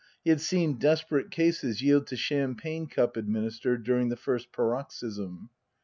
He had seen desperate cases yield to champagne cup administered during the first paroxysm.